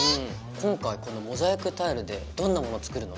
今回このモザイクタイルでどんなもの作るの？